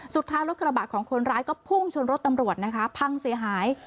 สุดท้ายรถกระบะของคนร้ายก็พุ่งชนรถตำรวจนะคะพังเสียหาย